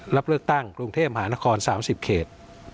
รับเลือกตั้งกรุงเทพมหานคร๓๐เขต